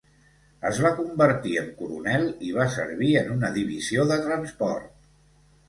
Es va convertir en coronel i va servir en una divisió de transport.